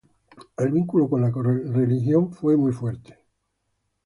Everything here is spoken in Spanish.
El vínculo con la religión católica fue muy fuerte.